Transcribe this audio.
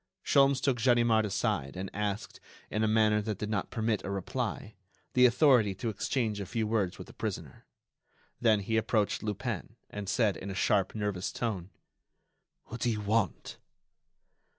Sholmes took Ganimard aside and asked, in a manner that did not permit a reply, the authority to exchange a few words with the prisoner. Then he approached Lupin, and said, in a sharp, nervous tone: "What do you want?"